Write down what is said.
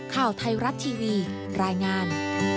ข่าวไทยรัฐทีวีรายงาน